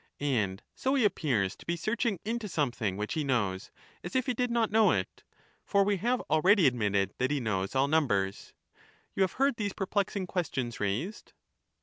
And so he appears to be searching into something which he knows, as if he did not know it, for we have already admitted that he knows all numbers ;— you have heard these perplexing questions raised